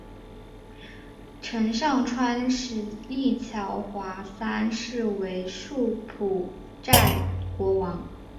陈上川便立乔华三世为柬埔寨国王。